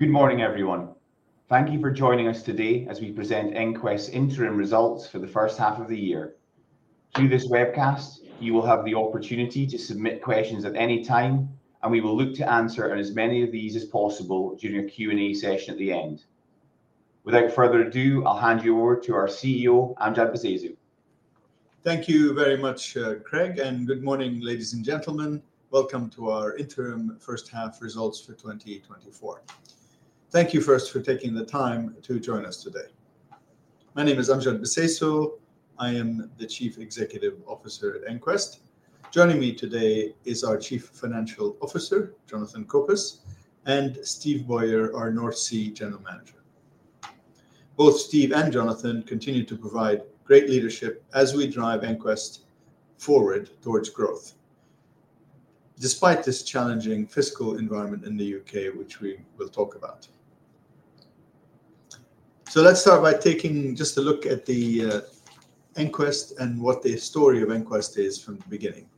Good morning, everyone. Thank you for joining us today as we present EnQuest's interim results for the first half of the year. Through this webcast, you will have the opportunity to submit questions at any time, and we will look to answer as many of these as possible during our Q&A session at the end. Without further ado, I'll hand you over to our CEO, Amjad Bseisu. Thank you very much, Craig, and good morning, ladies and gentlemen. Welcome to our interim first half results for twenty twenty-four. Thank you first for taking the time to join us today. My name is Amjad Bseisu. I am the Chief Executive Officer at EnQuest. Joining me today is our Chief Financial Officer, Jonathan Copas, and Steve Bowyer, our North Sea General Manager. Both Steve and Jonathan continue to provide great leadership as we drive EnQuest forward towards growth, despite this challenging fiscal environment in the U.K., which we will talk about. So let's start by taking just a look at the EnQuest, and what the story of EnQuest is from the beginning.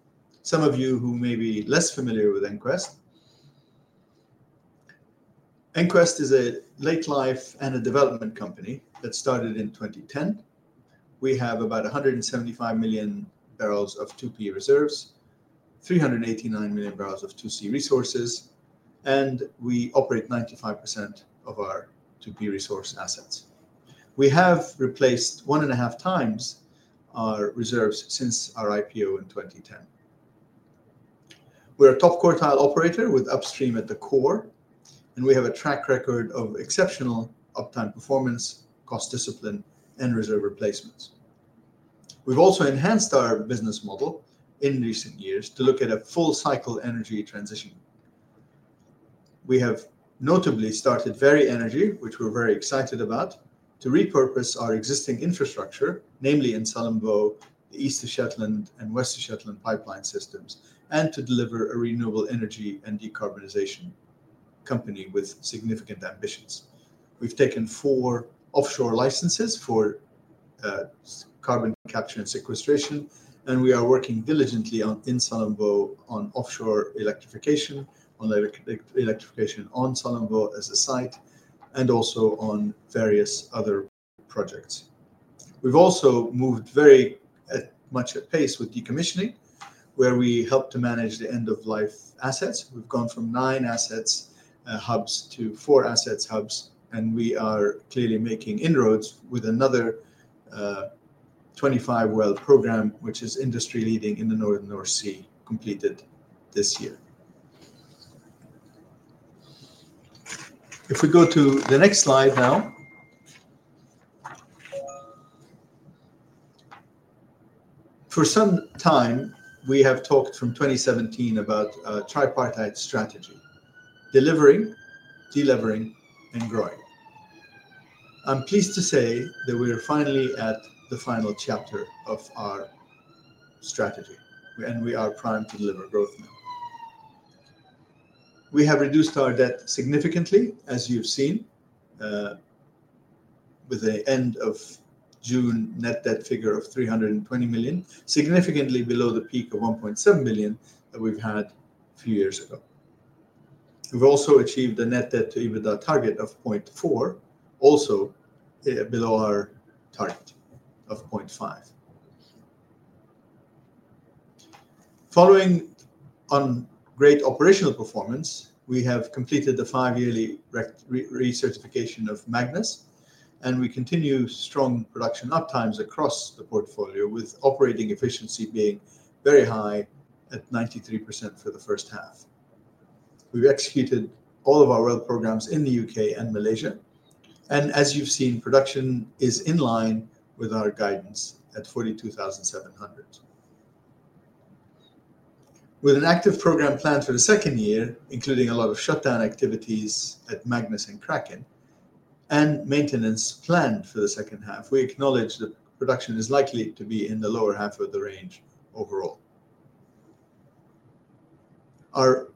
Some of you who may be less familiar with EnQuest, EnQuest is a late-life and a development company that started in twenty ten. We have about 175 million barrels of 2P reserves, 389 million barrels of 2C resources, and we operate 95% of our 2P resource assets. We have replaced one and a half times our reserves since our IPO in 2010. We're a top quartile operator with upstream at the core, and we have a track record of exceptional uptime performance, cost discipline, and reserve replacements. We've also enhanced our business model in recent years to look at a full cycle energy transition. We have notably started Veri Energy, which we're very excited about, to repurpose our existing infrastructure, namely in Sullom Voe, the East Shetland, and West Shetland pipeline systems, and to deliver a renewable energy and decarbonization company with significant ambitions. We've taken four offshore licenses for carbon capture and sequestration, and we are working diligently on offshore electrification in Sullom Voe as a site, and also on various other projects. We've also moved very much at pace with decommissioning, where we help to manage the end-of-life assets. We've gone from nine assets hubs to four assets hubs, and we are clearly making inroads with another twenty-five well program, which is industry-leading in the North Sea, completed this year. If we go to the next slide now. For some time, we have talked from twenty seventeen about a tripartite strategy, delivering, delevering, and growing. I'm pleased to say that we are finally at the final chapter of our strategy, and we are primed to deliver growth now. We have reduced our debt significantly, as you've seen, with the end of June net debt figure of $320 million, significantly below the peak of $1.7 billion that we've had a few years ago. We've also achieved a net debt to EBITDA target of 0.4, also below our target of 0.5. Following on great operational performance, we have completed the five-yearly recertification of Magnus, and we continue strong production up times across the portfolio, with operating efficiency being very high at 93% for the first half. We've executed all of our well programs in the UK and Malaysia, and as you've seen, production is in line with our guidance at 42,700. With an active program planned for the second year, including a lot of shutdown activities at Magnus and Kraken, and maintenance planned for the second half, we acknowledge that production is likely to be in the lower half of the range overall. Our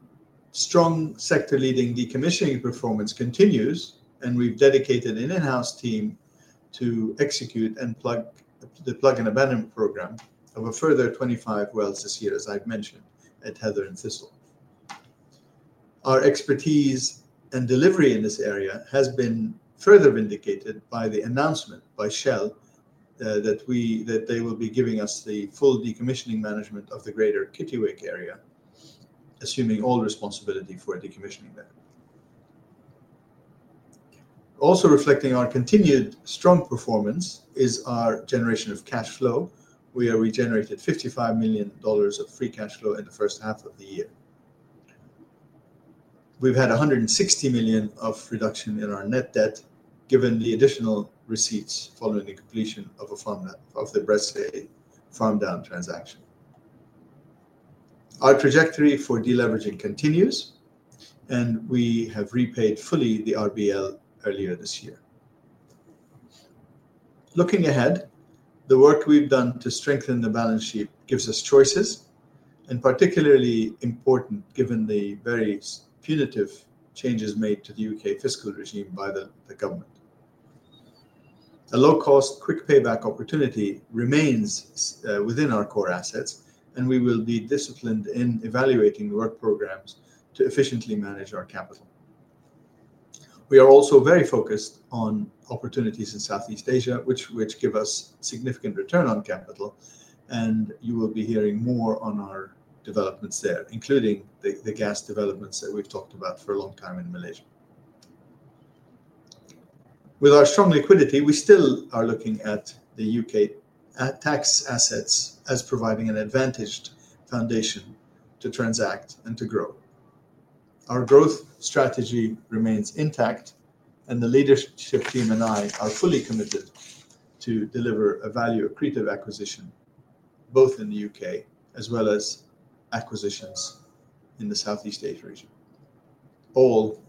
strong sector-leading decommissioning performance continues, and we've dedicated an in-house team to execute the plug and abandonment program of a further 25 wells this year, as I've mentioned, at Heather and Thistle. Our expertise and delivery in this area has been further vindicated by the announcement by Shell that they will be giving us the full decommissioning management of the Greater Kittiwake Area, assuming all responsibility for decommissioning there. Also reflecting our continued strong performance is our generation of cash flow, where we generated $55 million of free cash flow in the first half of the year. We've had 160 million of reduction in our net debt, given the additional receipts following the completion of a farm down, of the Bressay farm down transaction. Our trajectory for deleveraging continues, and we have repaid fully the RBL earlier this year. Looking ahead, the work we've done to strengthen the balance sheet gives us choices, and particularly important, given the very punitive changes made to the U.K. fiscal regime by the government. A low-cost, quick payback opportunity remains within our core assets, and we will be disciplined in evaluating work programs to efficiently manage our capital. We are also very focused on opportunities in Southeast Asia, which give us significant return on capital, and you will be hearing more on our developments there, including the gas developments that we've talked about for a long time in Malaysia. With our strong liquidity, we still are looking at the UK, at tax assets as providing an advantaged foundation to transact and to grow. Our growth strategy remains intact, and the leadership team and I are fully committed to deliver a value-accretive acquisition, both in the UK as well as acquisitions in the Southeast Asia region. All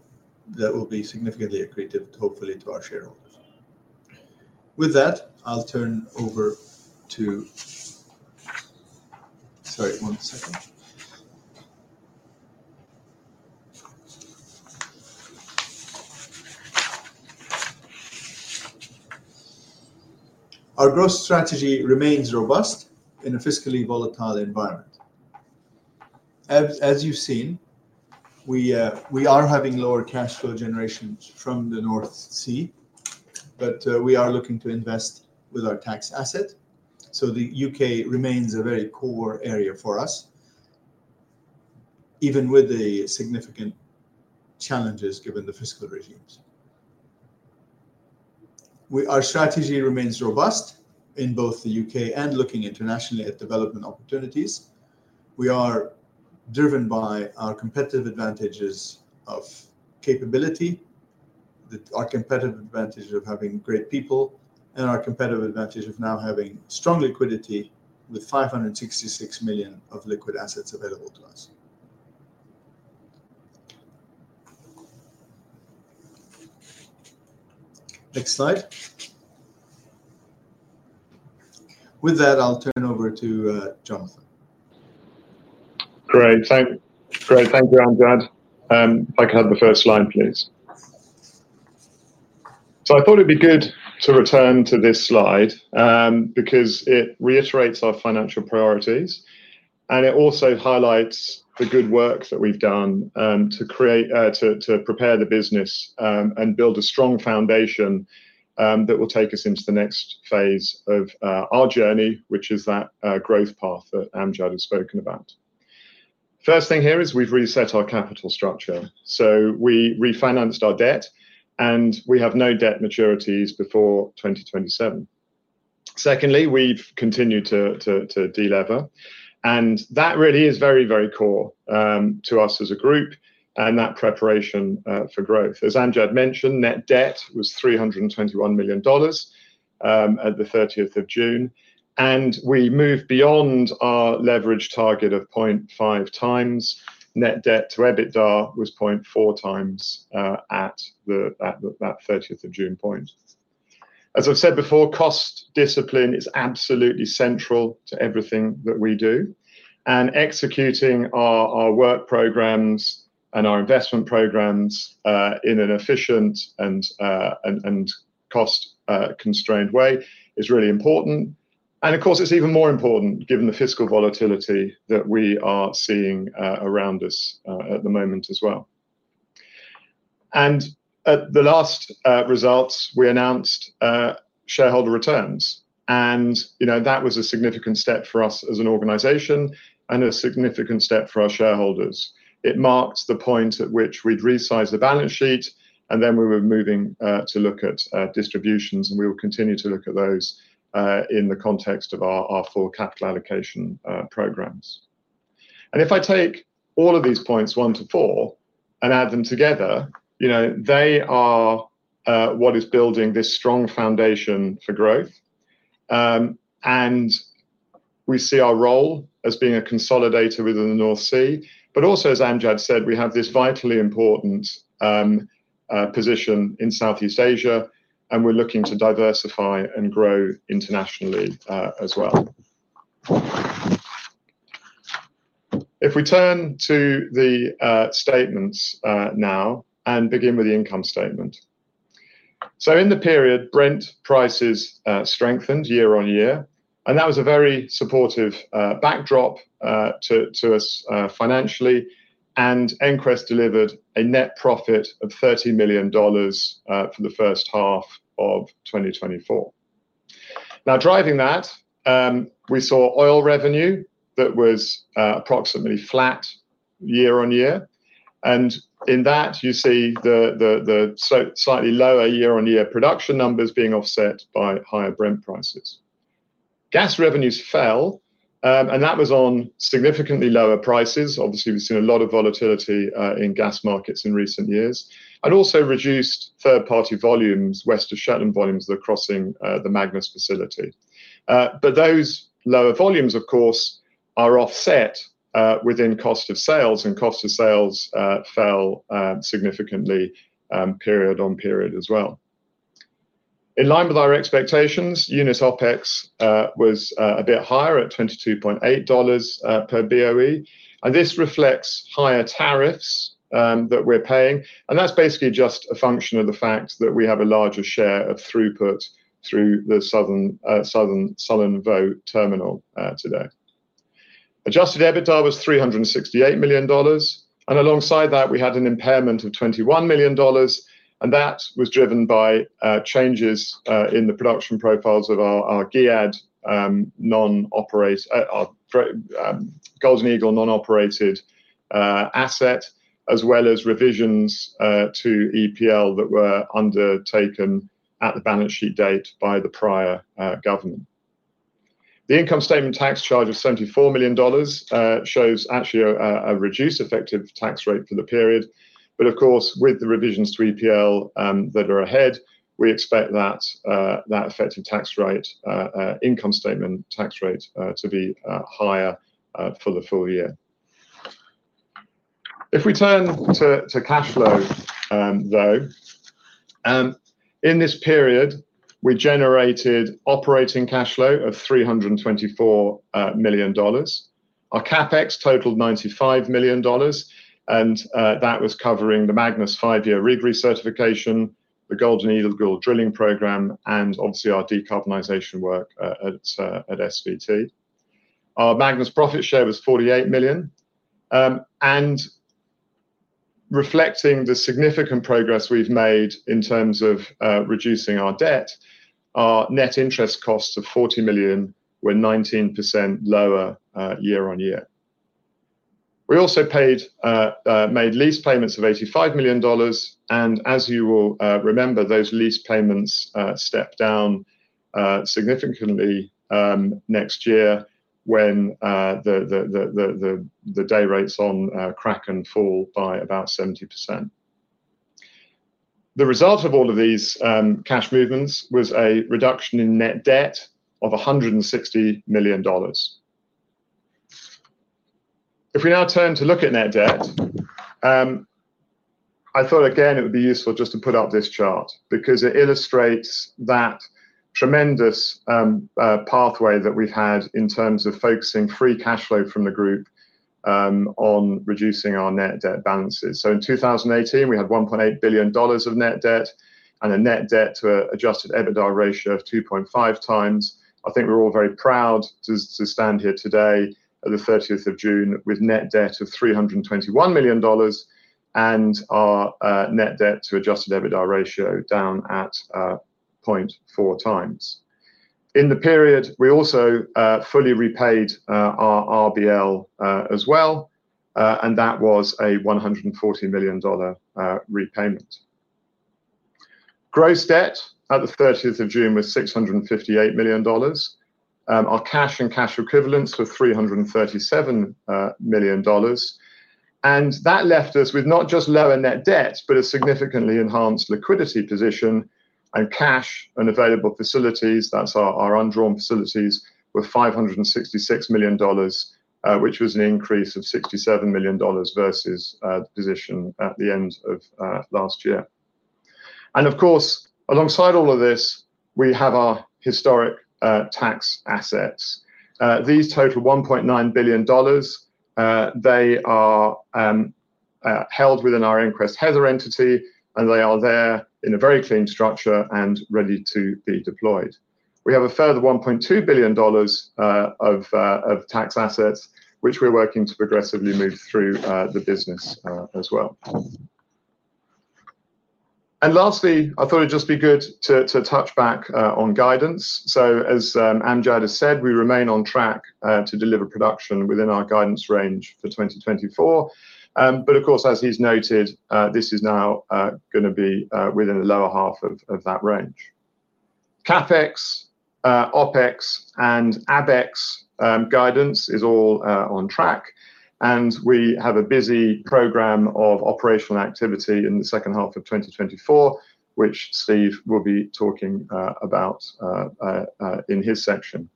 that will be significantly accretive, hopefully, to our shareholders. With that, I'll turn over to... Sorry, one second. Our growth strategy remains robust in a fiscally volatile environment. As you've seen, we are having lower cash flow generations from the North Sea, but we are looking to invest with our tax asset. So the UK remains a very core area for us, even with the significant challenges given the fiscal regimes. Our strategy remains robust in both the UK and looking internationally at development opportunities. We are driven by our competitive advantages of capability, our competitive advantage of having great people, and our competitive advantage of now having strong liquidity with 566 million of liquid assets available to us. Next slide. With that, I'll turn over to Jonathan. Great. Thank you, Amjad. If I could have the first slide, please. So I thought it'd be good to return to this slide, because it reiterates our financial priorities, and it also highlights the good work that we've done, to create, to prepare the business, and build a strong foundation, that will take us into the next phase of our journey, which is that growth path that Amjad has spoken about. First thing here is we've reset our capital structure. So we refinanced our debt, and we have no debt maturities before 2027. Secondly, we've continued to de-lever, and that really is very, very core to us as a group and that preparation for growth. As Amjad mentioned, net debt was $321 million at the thirtieth of June, and we moved beyond our leverage target of 0.5 times. Net debt to EBITDA was 0.4 times at that thirtieth of June point. As I've said before, cost discipline is absolutely central to everything that we do, and executing our work programs and our investment programs in an efficient and cost constrained way is really important. Of course, it's even more important given the fiscal volatility that we are seeing around us at the moment as well. At the last results, we announced shareholder returns, and you know, that was a significant step for us as an organization and a significant step for our shareholders. It marked the point at which we'd resize the balance sheet, and then we were moving to look at distributions, and we will continue to look at those in the context of our full capital allocation programs, and if I take all of these points, one to four, and add them together, you know, they are what is building this strong foundation for growth, and we see our role as being a consolidator within the North Sea, but also, as Amjad said, we have this vitally important position in Southeast Asia, and we're looking to diversify and grow internationally as well. If we turn to the statements now and begin with the income statement. So in the period, Brent prices strengthened year on year, and that was a very supportive backdrop to us financially, and EnQuest delivered a net profit of $30 million for the first half of 2024. Now, driving that, we saw oil revenue that was approximately flat year on year. And in that, you see the slightly lower year-on-year production numbers being offset by higher Brent prices. Gas revenues fell, and that was on significantly lower prices. Obviously, we've seen a lot of volatility in gas markets in recent years, and also reduced third-party volumes, West of Shetland volumes, crossing the Magnus facility. But those lower volumes, of course, are offset within cost of sales, and cost of sales fell significantly period on period as well. In line with our expectations, unit OpEx was a bit higher at $22.8 per Boe, and this reflects higher tariffs that we're paying, and that's basically just a function of the fact that we have a larger share of throughput through the southern Sullom Voe terminal today. Adjusted EBITDA was $368 million, and alongside that, we had an impairment of $21 million, and that was driven by changes in the production profiles of our GEAD non-operated Golden Eagle asset, as well as revisions to EPL that were undertaken at the balance sheet date by the prior government. The income statement tax charge of $74 million shows actually a reduced effective tax rate for the period. But of course, with the revisions to EPL that are ahead, we expect that effective tax rate, income statement tax rate, to be higher for the full year. If we turn to cash flow, though, in this period, we generated operating cash flow of $324 million. Our CapEx totaled $95 million, and that was covering the Magnus five-year rig recertification, the Golden Eagle drilling program, and obviously our decarbonization work at SVT. Our Magnus profit share was $48 million. And reflecting the significant progress we've made in terms of reducing our debt, our net interest costs of $40 million were 19% lower year on year. We also made lease payments of $85 million, and as you will remember, those lease payments step down significantly next year, when the day rates on Kraken fall by about 70%. The result of all of these cash movements was a reduction in net debt of $160 million. If we now turn to look at net debt, I thought, again, it would be useful just to put up this chart because it illustrates that tremendous pathway that we've had in terms of focusing free cash flow from the group on reducing our net debt balances. So in 2018, we had $1.8 billion of net debt, and a net debt to adjusted EBITDA ratio of 2.5 times. I think we're all very proud to stand here today at the 30th of June with net debt of $321 million, and our net debt to adjusted EBITDA ratio down at 0.4 times. In the period, we also fully repaid our RBL as well, and that was a $140 million repayment. Gross debt at the 30th of June was $658 million. Our cash and cash equivalents were $337 million, and that left us with not just lower net debt, but a significantly enhanced liquidity position, and cash and available facilities, that's our undrawn facilities, were $566 million, which was an increase of $67 million versus the position at the end of last year. Of course, alongside all of this, we have our historic tax assets. These total $1.9 billion. They are held within our EnQuest Heather entity, and they are there in a very clean structure and ready to be deployed. We have a further $1.2 billion of tax assets, which we're working to progressively move through the business as well. Lastly, I thought it'd just be good to touch back on guidance. As Amjad has said, we remain on track to deliver production within our guidance range for 2024. Of course, as he's noted, this is now gonna be within the lower half of that range. CapEx, OpEx, and ABEX guidance is all on track, and we have a busy program of operational activity in the second half of 2024, which Steve will be talking about in his section.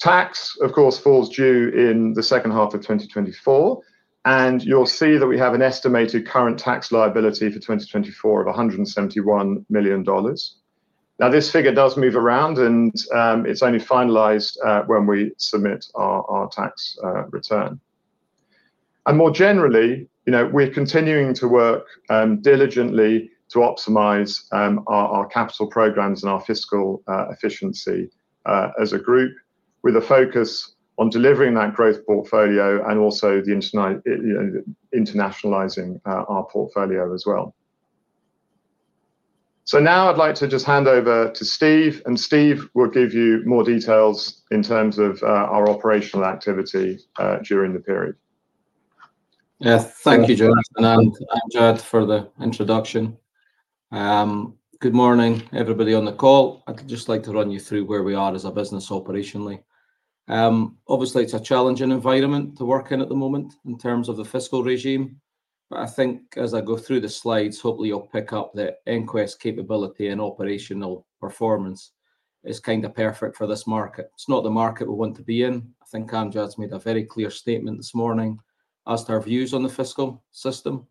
Tax, of course, falls due in the second half of 2024, and you'll see that we have an estimated current tax liability for 2024 of $171 million. Now, this figure does move around and, it's only finalized when we submit our tax return. And more generally, you know, we're continuing to work diligently to optimize our capital programs and our fiscal efficiency as a group, with a focus on delivering that growth portfolio and also the internationalizing our portfolio as well. Now I'd like to just hand over to Steve, and Steve will give you more details in terms of our operational activity during the period. Yeah, thank you, Jonathan and Amjad, for the introduction. Good morning, everybody on the call. I'd just like to run you through where we are as a business operationally. Obviously, it's a challenging environment to work in at the moment in terms of the fiscal regime, but I think as I go through the slides, hopefully you'll pick up the EnQuest capability and operational performance. It's kind of perfect for this market. It's not the market we want to be in. I think Amjad's made a very clear statement this morning as to our views on the fiscal system.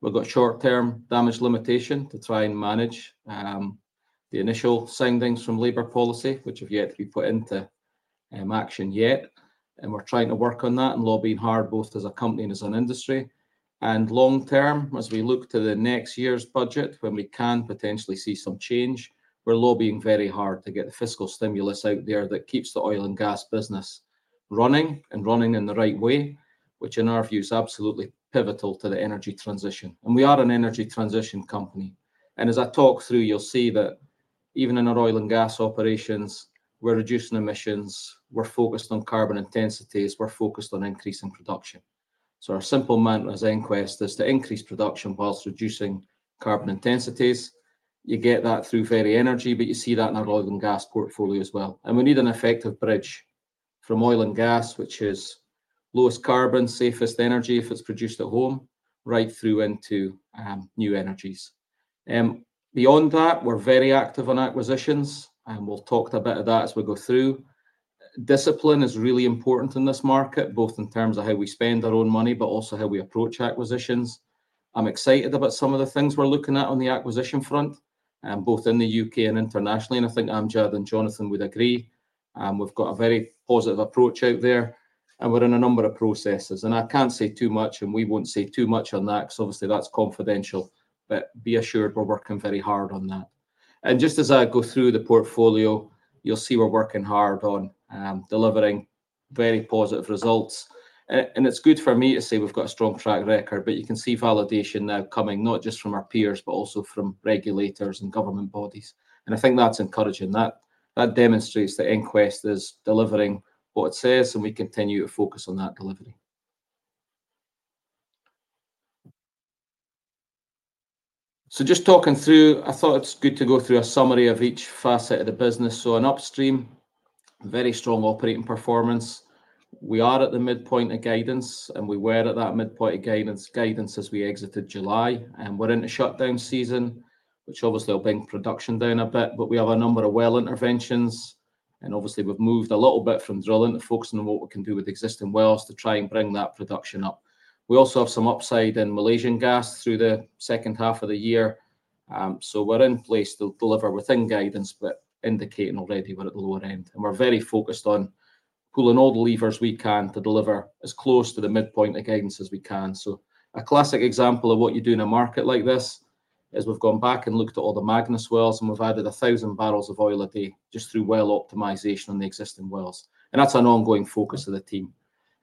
We've got short-term damage limitation to try and manage the initial soundings from labor policy, which have yet to be put into action yet, and we're trying to work on that and lobbying hard, both as a company and as an industry. And long term, as we look to the next year's budget, when we can potentially see some change, we're lobbying very hard to get the fiscal stimulus out there that keeps the oil and gas business running, and running in the right way, which in our view is absolutely pivotal to the energy transition. We are an energy transition company, and as I talk through, you'll see that even in our oil and gas operations, we're reducing emissions, we're focused on carbon intensities, we're focused on increasing production. Our simple mantra as EnQuest is to increase production whilst reducing carbon intensities. You get that through Veri Energy, but you see that in our oil and gas portfolio as well. We need an effective bridge from oil and gas, which is lowest carbon, safest energy if it's produced at home, right through into new energies. Beyond that, we're very active on acquisitions, and we'll talk a bit of that as we go through. Discipline is really important in this market, both in terms of how we spend our own money, but also how we approach acquisitions. I'm excited about some of the things we're looking at on the acquisition front, both in the UK and internationally, and I think Amjad and Jonathan would agree. We've got a very positive approach out there, and we're in a number of processes. And I can't say too much, and we won't say too much on that, because obviously that's confidential, but be assured, we're working very hard on that. And just as I go through the portfolio, you'll see we're working hard on delivering very positive results. and it's good for me to say we've got a strong track record, but you can see validation now coming, not just from our peers, but also from regulators and government bodies, and I think that's encouraging. That demonstrates that EnQuest is delivering what it says, and we continue to focus on that delivery. So just talking through, I thought it's good to go through a summary of each facet of the business. So on upstream, very strong operating performance. We are at the midpoint of guidance, and we were at that midpoint of guidance as we exited July, and we're in a shutdown season, which obviously will bring production down a bit, but we have a number of well interventions, and obviously we've moved a little bit from drilling to focusing on what we can do with existing wells to try and bring that production up. We also have some upside in Malaysian gas through the second half of the year, so we're in place to deliver within guidance, but indicating already we're at the lower end, and we're very focused on pulling all the levers we can to deliver as close to the midpoint of guidance as we can, so a classic example of what you do in a market like this is we've gone back and looked at all the Magnus wells, and we've added 1,000 barrels of oil a day just through well optimization on the existing wells, and that's an ongoing focus of the team,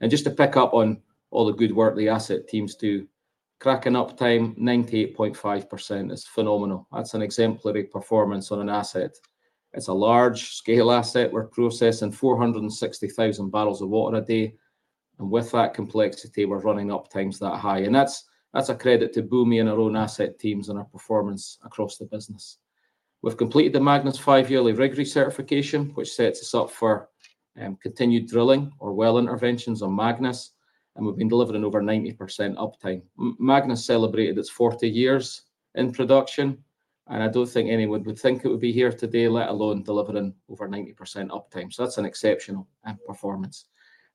and just to pick up on all the good work the asset teams do, Kraken uptime 98.5% is phenomenal. That's an exemplary performance on an asset. It's a large-scale asset. We're processing four hundred and sixty thousand barrels of water a day, and with that complexity, we're running uptimes that high, and that's, that's a credit to Bumi and our own asset teams and our performance across the business. We've completed the Magnus five-yearly rig recertification, which sets us up for continued drilling or well interventions on Magnus, and we've been delivering over 90% uptime. Magnus celebrated its forty years in production, and I don't think anyone would think it would be here today, let alone delivering over 90% uptime, so that's an exceptional performance,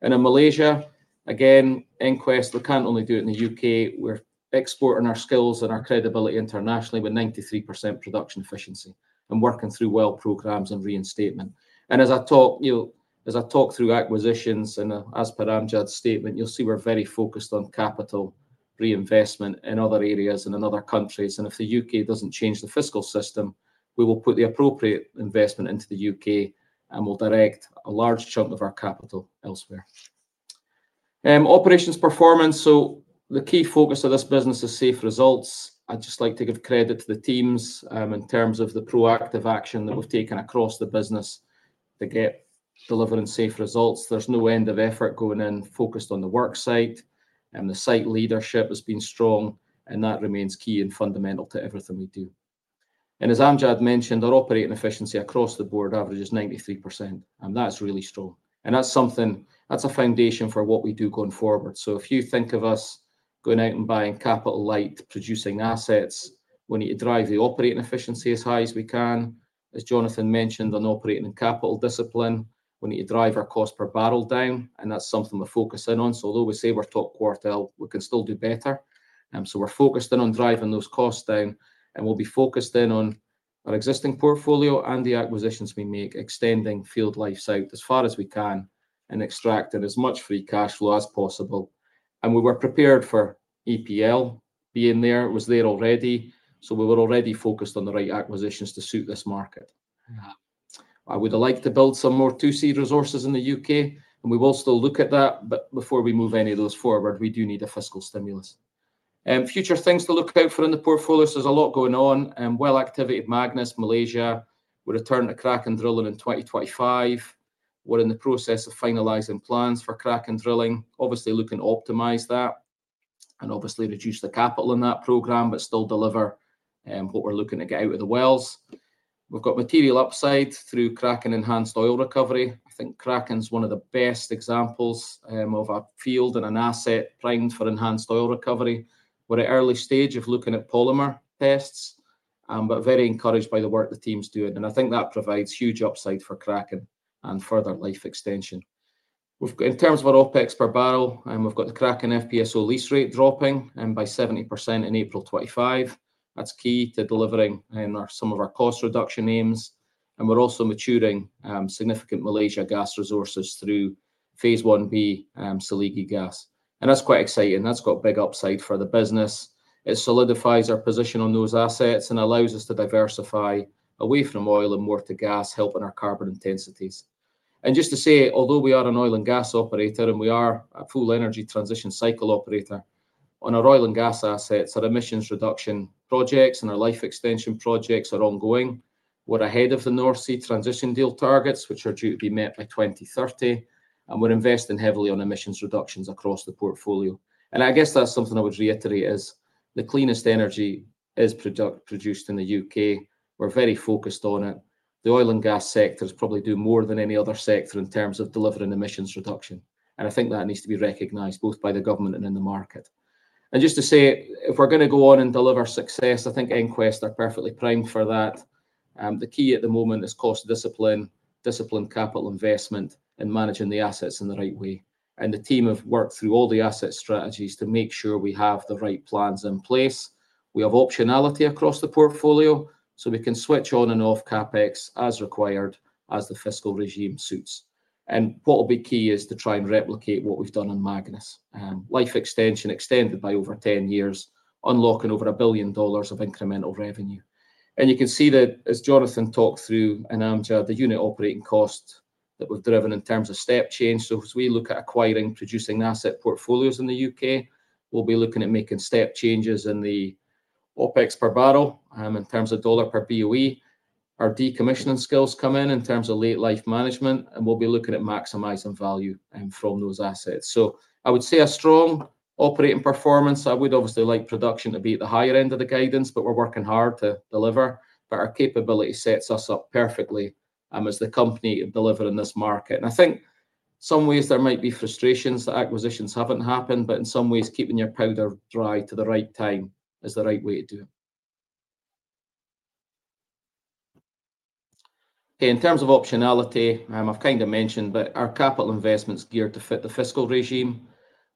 and in Malaysia, again, EnQuest, we can't only do it in the UK. We're exporting our skills and our credibility internationally with 93% production efficiency and working through well programs and reinstatement. And as I talk, you know, as I talk through acquisitions, and, as per Amjad's statement, you'll see we're very focused on capital reinvestment in other areas and in other countries. And if the UK doesn't change the fiscal system, we will put the appropriate investment into the UK, and we'll direct a large chunk of our capital elsewhere. Operations performance, so the key focus of this business is safe results. I'd just like to give credit to the teams, in terms of the proactive action that we've taken across the business to get delivering safe results. There's no end of effort going in focused on the work site, and the site leadership has been strong, and that remains key and fundamental to everything we do. And as Amjad mentioned, our operating efficiency across the board averages 93%, and that's really strong, and that's something, that's a foundation for what we do going forward. So if you think of us going out and buying capital light, producing assets, we need to drive the operating efficiency as high as we can. As Jonathan mentioned, on operating capital discipline, we need to drive our cost per barrel down, and that's something we're focusing on. So although we say we're top quartile, we can still do better. So we're focusing on driving those costs down, and we'll be focusing on our existing portfolio and the acquisitions we make, extending field life out as far as we can and extracting as much free cash flow as possible. And we were prepared for EPL being there. It was there already, so we were already focused on the right acquisitions to suit this market. I would like to build some more 2C resources in the UK, and we will still look at that, but before we move any of those forward, we do need a fiscal stimulus. Future things to look out for in the portfolios, there's a lot going on, well, activity at Magnus, Malaysia, we're returning to Kraken drilling in 2025. We're in the process of finalizing plans for Kraken drilling, obviously looking to optimize that, and obviously reduce the capital in that program, but still deliver what we're looking to get out of the wells. We've got material upside through Kraken enhanced oil recovery. I think Kraken's one of the best examples of a field and an asset primed for enhanced oil recovery. We're at early stage of looking at polymer tests, but very encouraged by the work the team's doing, and I think that provides huge upside for Kraken and further life extension. We've. In terms of our OpEx per barrel, we've got the Kraken FPSO lease rate dropping by 70% in April 2025. That's key to delivering our some of our cost reduction aims... and we're also maturing significant Malaysia gas resources through Phase 1B, Seligi Gas, and that's quite exciting. That's got a big upside for the business. It solidifies our position on those assets and allows us to diversify away from oil and more to gas, helping our carbon intensities. Just to say, although we are an oil and gas operator, and we are a full energy transition cycle operator, on our oil and gas assets, our emissions reduction projects and our life extension projects are ongoing. We're ahead of the North Sea Transition Deal targets, which are due to be met by 2030, and we're investing heavily on emissions reductions across the portfolio. I guess that's something I would reiterate, is the cleanest energy is produced in the UK. We're very focused on it. The oil and gas sectors probably do more than any other sector in terms of delivering emissions reduction, and I think that needs to be recognized both by the government and in the market. Just to say, if we're gonna go on and deliver success, I think EnQuest are perfectly primed for that. The key at the moment is cost discipline, disciplined capital investment, and managing the assets in the right way. And the team have worked through all the asset strategies to make sure we have the right plans in place. We have optionality across the portfolio, so we can switch on and off CapEx as required, as the fiscal regime suits. And what will be key is to try and replicate what we've done on Magnus. Life extension extended by over 10 years, unlocking over $1 billion of incremental revenue. And you can see that as Jonathan talked through and Amjad, the unit operating costs that we've driven in terms of step change. So as we look at acquiring producing asset portfolios in the U.K., we'll be looking at making step changes in the OpEx per barrel, in terms of dollar per BOE. Our decommissioning skills come in, in terms of late life management, and we'll be looking at maximizing value, from those assets, so I would say a strong operating performance. I would obviously like production to be at the higher end of the guidance, but we're working hard to deliver, but our capability sets us up perfectly, as the company to deliver in this market, and I think some ways there might be frustrations that acquisitions haven't happened, but in some ways, keeping your powder dry to the right time is the right way to do it. In terms of optionality, I've kind of mentioned, but our capital investment's geared to fit the fiscal regime.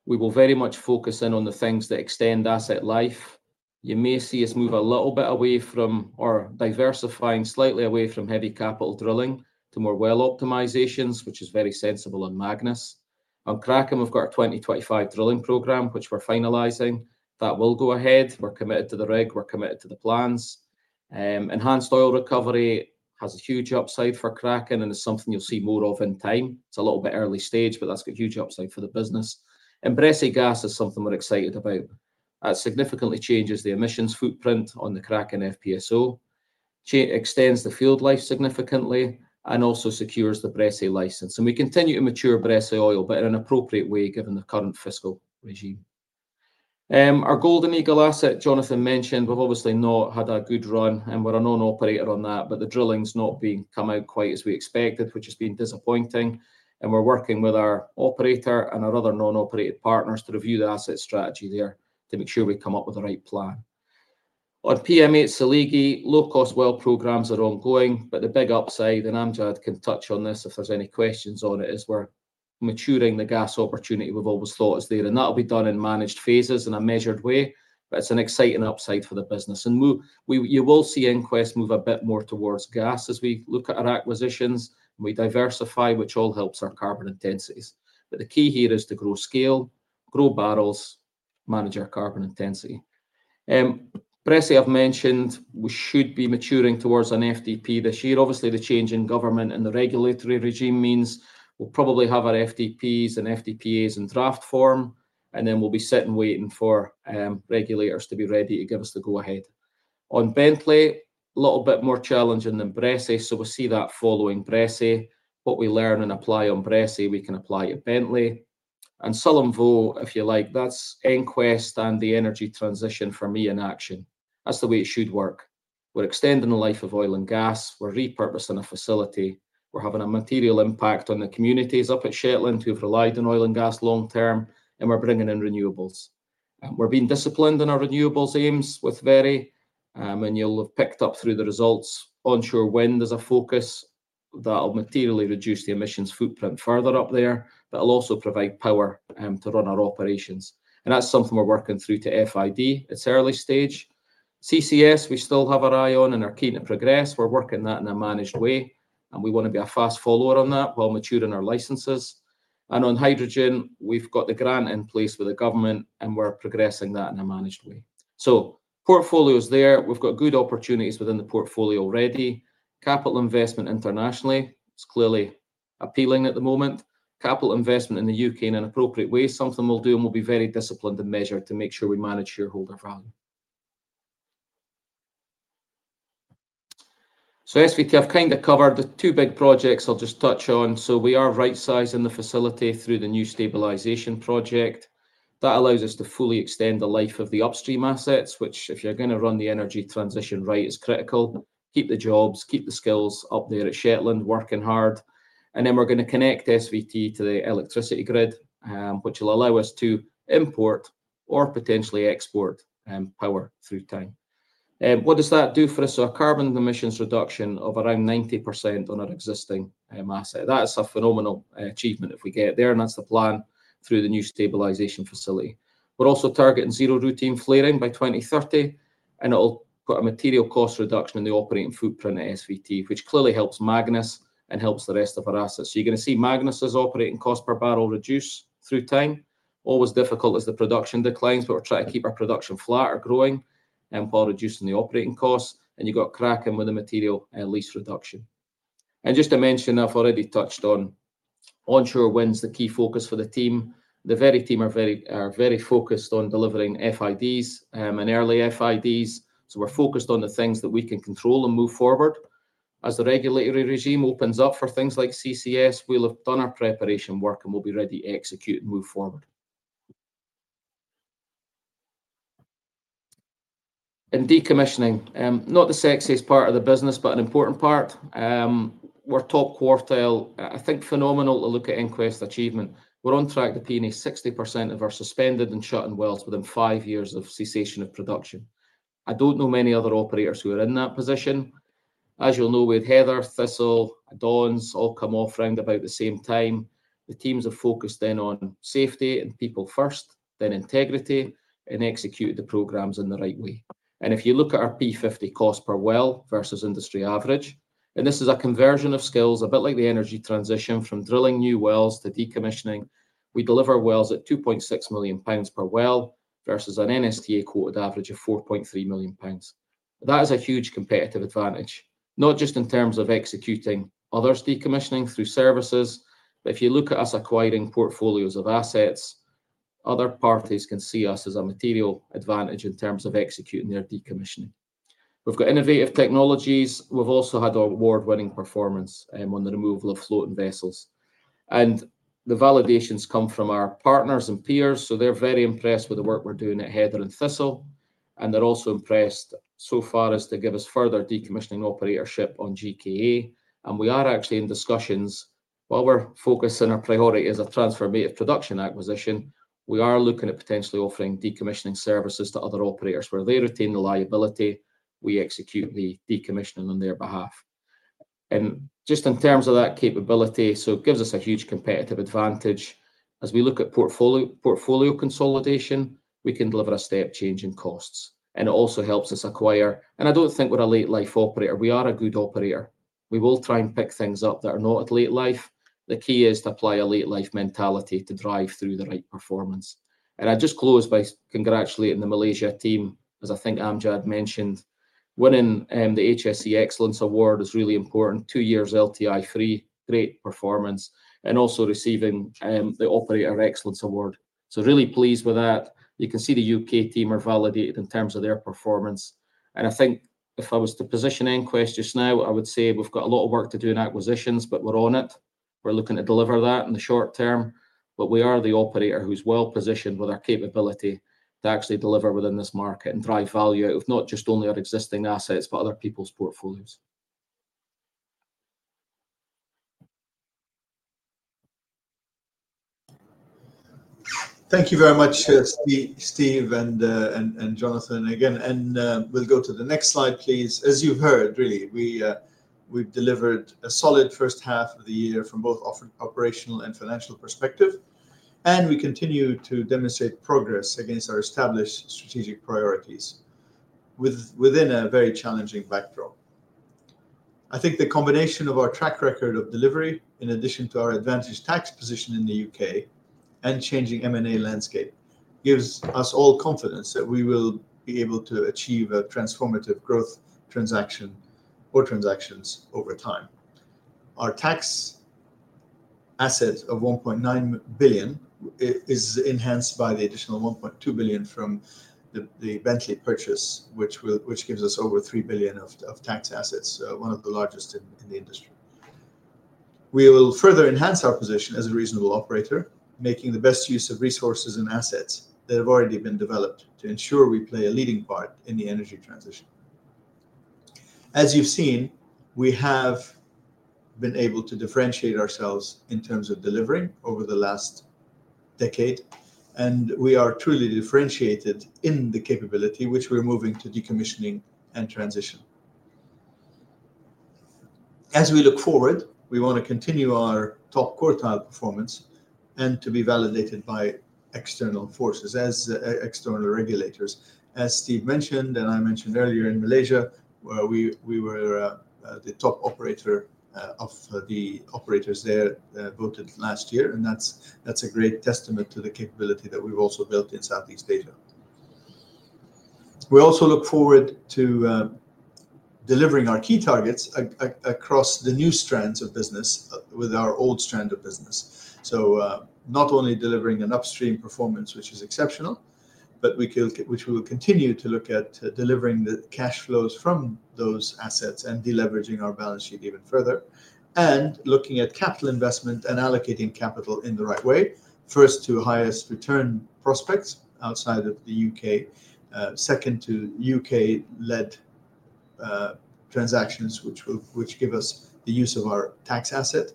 We will very much focus in on the things that extend asset life. You may see us move a little bit away from or diversifying slightly away from heavy capital drilling to more well optimizations, which is very sensible on Magnus. On Kraken, we've got our 2025 drilling program, which we're finalizing. That will go ahead. We're committed to the rig, we're committed to the plans. Enhanced oil recovery has a huge upside for Kraken, and it's something you'll see more of in time. It's a little bit early stage, but that's got huge upside for the business, and Bressay gas is something we're excited about. That significantly changes the emissions footprint on the Kraken FPSO, extends the field life significantly and also secures the Bressay license, and we continue to mature Bressay oil, but in an appropriate way, given the current fiscal regime. Our Golden Eagle asset, Jonathan mentioned, we've obviously not had a good run, and we're a non-operator on that, but the drilling's not been come out quite as we expected, which has been disappointing. We're working with our operator and our other non-operated partners to review the asset strategy there, to make sure we come up with the right plan. On PM8/Seligi, low-cost well programs are ongoing, but the big upside, and Amjad can touch on this if there's any questions on it, is we're maturing the gas opportunity we've always thought is there, and that'll be done in managed phases in a measured way, but it's an exciting upside for the business. You will see EnQuest move a bit more towards gas as we look at our acquisitions, and we diversify, which all helps our carbon intensities. But the key here is to grow scale, grow barrels, manage our carbon intensity. Bressay, I've mentioned, we should be maturing towards an FDP this year. Obviously, the change in government and the regulatory regime means we'll probably have our FDPs and FDPAs in draft form, and then we'll be sitting, waiting for, regulators to be ready to give us the go-ahead. On Bentley, a little bit more challenging than Bressay, so we'll see that following Bressay. What we learn and apply on Bressay, we can apply at Bentley. And Sullom Voe, if you like, that's EnQuest and the energy transition for me in action. That's the way it should work. We're extending the life of oil and gas. We're repurposing a facility. We're having a material impact on the communities up at Shetland, who've relied on oil and gas long term, and we're bringing in renewables. We're being disciplined in our renewables aims with Veri, and you'll have picked up through the results. Onshore wind is a focus that'll materially reduce the emissions footprint further up there, but it'll also provide power to run our operations, and that's something we're working through to FID. It's early stage. CCS, we still have our eye on and are keen to progress. We're working that in a managed way, and we want to be a fast follower on that while maturing our licenses, and on hydrogen, we've got the grant in place with the government, and we're progressing that in a managed way, so portfolio's there. We've got good opportunities within the portfolio already. Capital investment internationally, it's clearly appealing at the moment. Capital investment in the UK in an appropriate way is something we'll do, and we'll be very disciplined and measured to make sure we manage shareholder value. SVT, I've kind of covered. The two big projects I'll just touch on. We are right-sizing the facility through the new stabilization project. That allows us to fully extend the life of the upstream assets, which, if you're gonna run the energy transition right, is critical. Keep the jobs, keep the skills up there at Shetland, working hard. Then we're gonna connect SVT to the electricity grid, which will allow us to import or potentially export power through time. What does that do for us? A carbon emissions reduction of around 90% on our existing asset. That is a phenomenal achievement if we get there, and that's the plan through the new stabilization facility. We're also targeting zero routine flaring by twenty thirty, and it'll put a material cost reduction in the operating footprint at SVT, which clearly helps Magnus and helps the rest of our assets. So you're gonna see Magnus' operating cost per barrel reduce through time. Always difficult as the production declines, but we're trying to keep our production flat or growing, and while reducing the operating costs, and you've got Kraken with a material lease reduction. And just to mention, I've already touched on onshore wind's the key focus for the team. The Veri team are very focused on delivering FIDs and early FIDs, so we're focused on the things that we can control and move forward. As the regulatory regime opens up for things like CCS, we'll have done our preparation work, and we'll be ready to execute and move forward. In decommissioning, not the sexiest part of the business, but an important part. We're top quartile, I think phenomenal to look at EnQuest achievement. We're on track to P&A 60% of our suspended and shut-in wells within five years of cessation of production. I don't know many other operators who are in that position. As you'll know, with Heather, Thistle, Don fields all come off round about the same time, the teams are focused in on safety and people first, then integrity, and execute the programs in the right way. And if you look at our P50 cost per well versus industry average, and this is a conversion of skills, a bit like the energy transition from drilling new wells to decommissioning, we deliver wells at 2.6 million pounds per well, versus an NSTA quoted average of 4.3 million pounds. That is a huge competitive advantage, not just in terms of executing others' decommissioning through services, but if you look at us acquiring portfolios of assets, other parties can see us as a material advantage in terms of executing their decommissioning. We've got innovative technologies. We've also had our award-winning performance on the removal of floating vessels, and the validations come from our partners and peers, so they're very impressed with the work we're doing at Heather and Thistle, and they're also impressed so far as to give us further decommissioning operatorship on GKA, and we are actually in discussions. While we're focused and our priority is a transformative production acquisition, we are looking at potentially offering decommissioning services to other operators, where they retain the liability, we execute the decommissioning on their behalf. And just in terms of that capability, so it gives us a huge competitive advantage. As we look at portfolio consolidation, we can deliver a step change in costs, and it also helps us acquire... And I don't think we're a late life operator. We are a good operator. We will try and pick things up that are not at late life. The key is to apply a late life mentality to drive through the right performance. And I'll just close by congratulating the Malaysia team, as I think Amjad mentioned. Winning the HSE Excellence Award is really important. Two years LTI free, great performance, and also receiving the Operator Excellence Award, so really pleased with that. You can see the UK team are validated in terms of their performance, and I think if I was to position EnQuest just now, I would say we've got a lot of work to do in acquisitions, but we're on it. We're looking to deliver that in the short term, but we are the operator who's well-positioned with our capability to actually deliver within this market and drive value out of not just only our existing assets, but other people's portfolios. Thank you very much, Steve and Jonathan, again, and we'll go to the next slide, please. As you've heard, really, we've delivered a solid first half of the year from both operational and financial perspective, and we continue to demonstrate progress against our established strategic priorities, within a very challenging backdrop. I think the combination of our track record of delivery, in addition to our advantage tax position in the U.K. and changing M&A landscape, gives us all confidence that we will be able to achieve a transformative growth transaction or transactions over time. Our tax asset of £1.9 billion is enhanced by the additional £1.2 billion from the Bentley purchase, which gives us over £3 billion of tax assets, one of the largest in the industry. We will further enhance our position as a reasonable operator, making the best use of resources and assets that have already been developed, to ensure we play a leading part in the energy transition. As you've seen, we have been able to differentiate ourselves in terms of delivering over the last decade, and we are truly differentiated in the capability which we're moving to decommissioning and transition. As we look forward, we want to continue our top quartile performance and to be validated by external forces as external regulators. As Steve mentioned, and I mentioned earlier in Malaysia, where we were the top operator of the operators there voted last year, and that's a great testament to the capability that we've also built in Southeast Asia. We also look forward to delivering our key targets across the new strands of business with our old strand of business, so not only delivering an upstream performance, which is exceptional, but we will continue to look at delivering the cash flows from those assets and de-leveraging our balance sheet even further, and looking at capital investment and allocating capital in the right way, first to highest return prospects outside of the U.K., second to U.K.-led transactions, which give us the use of our tax asset,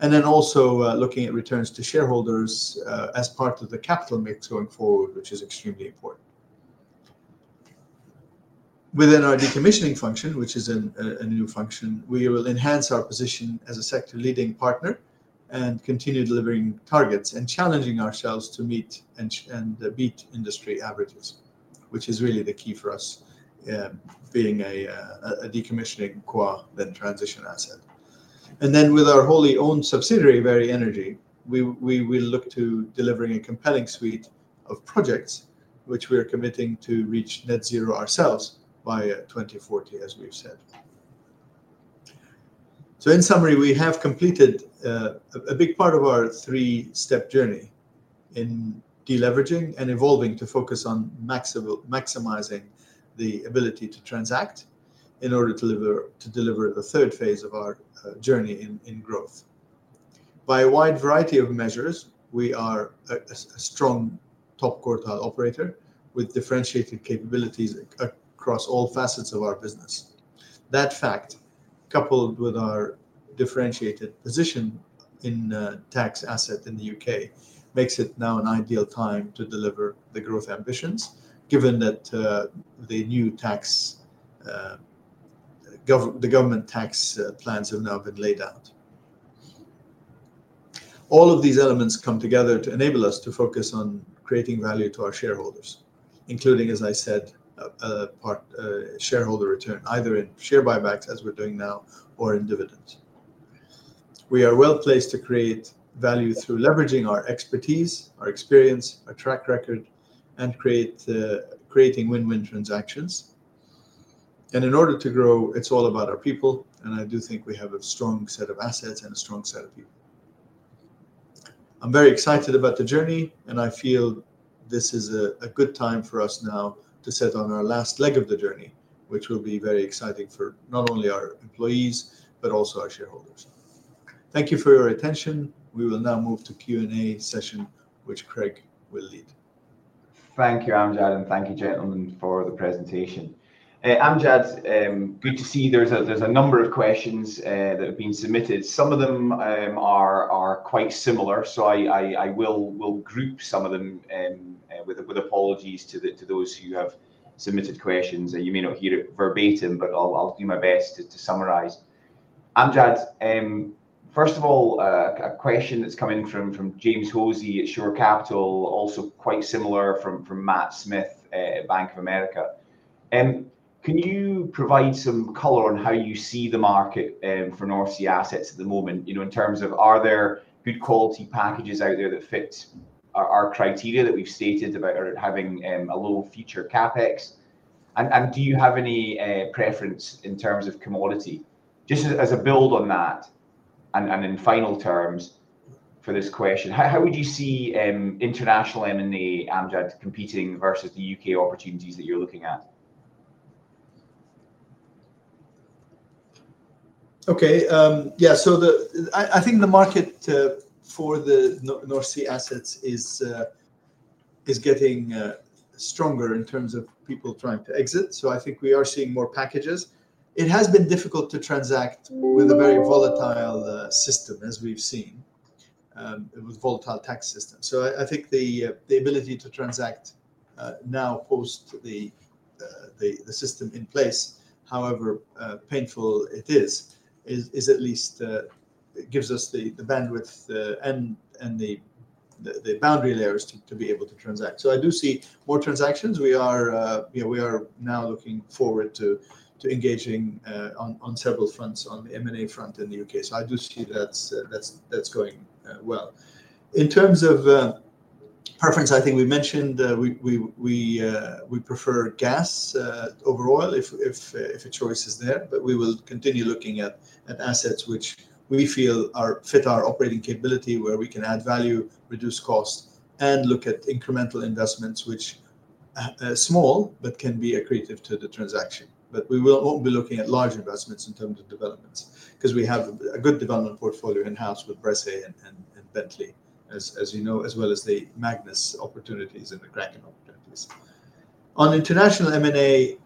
and then also looking at returns to shareholders as part of the capital mix going forward, which is extremely important. Within our decommissioning function, which is a new function, we will enhance our position as a sector-leading partner. And continue delivering targets and challenging ourselves to meet and beat industry averages, which is really the key for us being a decommissioning core then transition asset. And then with our wholly owned subsidiary, Veri Energy, we look to delivering a compelling suite of projects, which we are committing to reach net zero ourselves by 2040, as we've said. So in summary, we have completed a big part of our three-step journey in de-leveraging and evolving to focus on maximizing the ability to transact in order to deliver the third phase of our journey in growth. By a wide variety of measures, we are a strong top quartile operator with differentiated capabilities across all facets of our business. That fact, coupled with our differentiated position in tax asset in the UK, makes it now an ideal time to deliver the growth ambitions, given that the new tax, the government tax plans have now been laid out. All of these elements come together to enable us to focus on creating value to our shareholders, including, as I said, part shareholder return, either in share buybacks, as we're doing now, or in dividends. We are well-placed to create value through leveraging our expertise, our experience, our track record, and creating win-win transactions. In order to grow, it's all about our people, and I do think we have a strong set of assets and a strong set of people. I'm very excited about the journey, and I feel this is a good time for us now to set on our last leg of the journey, which will be very exciting for not only our employees, but also our shareholders. Thank you for your attention. We will now move to Q&A session, which Craig will lead. Thank you, Amjad, and thank you, gentlemen, for the presentation. Amjad, good to see there's a number of questions that have been submitted. Some of them are quite similar, so I will group some of them with apologies to those who have submitted questions, that you may not hear it verbatim, but I'll do my best to summarize. Amjad, first of all, a question that's come in from James Hosie at Shore Capital, also quite similar from Matt Smith at Bank of America. Can you provide some color on how you see the market for North Sea assets at the moment? You know, in terms of, are there good quality packages out there that fit our criteria that we've stated about having a low future CapEx? And do you have any preference in terms of commodity? Just as a build on that, and in final terms for this question, how would you see international M&A, Amjad, competing versus the UK opportunities that you're looking at? Okay. Yeah, so I think the market for the North Sea assets is getting stronger in terms of people trying to exit, so I think we are seeing more packages. It has been difficult to transact with a very volatile system, as we've seen, with volatile tax system. So I think the ability to transact now post the system in place, however painful it is, is at least gives us the bandwidth and the boundary layers to be able to transact. So I do see more transactions. We are, you know, we are now looking forward to engaging on several fronts on the M&A front in the U.K. So I do see that's going well. In terms of preference, I think we mentioned we prefer gas over oil if a choice is there, but we will continue looking at assets which we feel are fit our operating capability, where we can add value, reduce cost, and look at incremental investments, which are small, but can be accretive to the transaction. But we will won't be looking at large investments in terms of developments, 'cause we have a good development portfolio in house with Bressay and Bentley, as you know, as well as the Magnus opportunities and the Kraken opportunities. On international M&A,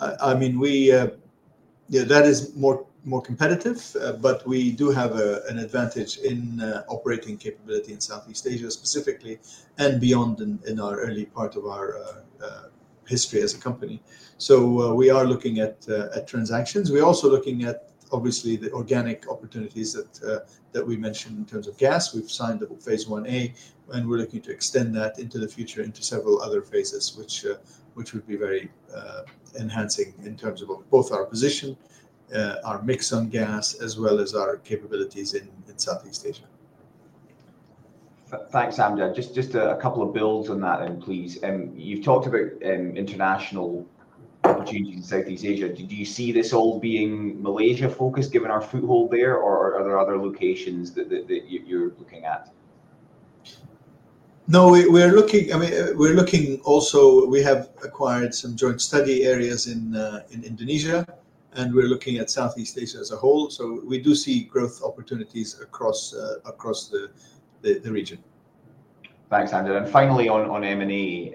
I mean, we yeah, that is more competitive, but we do have an advantage in operating capability in Southeast Asia, specifically, and beyond in our early part of our history as a company. So, we are looking at transactions. We're also looking at, obviously, the organic opportunities that we mentioned in terms of gas. We've signed the phase One A, and we're looking to extend that into the future, into several other phases, which would be very enhancing in terms of both our position, our mix on gas, as well as our capabilities in Southeast Asia. Thanks, Amjad. Just a couple of builds on that then, please. You've talked about international opportunities in Southeast Asia. Do you see this all being Malaysia-focused, given our foothold there, or are there other locations that you're looking at? No, we're looking, I mean, we're looking also, we have acquired some joint study areas in Indonesia, and we're looking at Southeast Asia as a whole, so we do see growth opportunities across the region. Thanks, Amjad. And finally on M&A,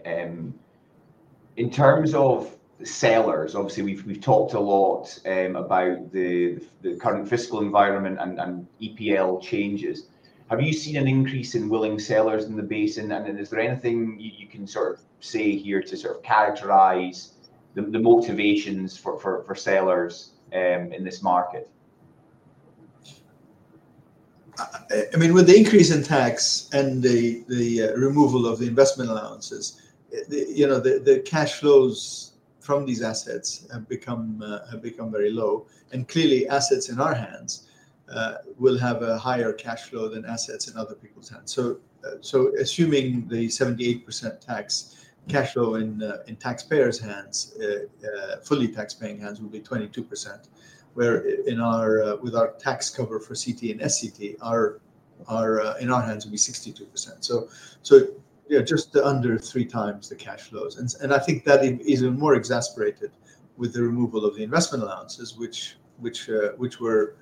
in terms of sellers, obviously, we've talked a lot about the current fiscal environment and EPL changes. Have you seen an increase in willing sellers in the basin? And then is there anything you can sort of say here to sort of characterize the motivations for sellers in this market? I mean, with the increase in tax and the removal of the investment allowances, you know, the cash flows from these assets have become very low, and clearly, assets in our hands will have a higher cash flow than assets in other people's hands. So, assuming the 78% tax, cash flow in taxpayers' hands, fully taxpaying hands, will be 22%. Whereas in our hands, with our tax cover for CT and SCT, our cash flow in our hands will be 62%. So, you know, just under three times the cash flows. I think that is even more exasperated with the removal of the investment allowances, which were,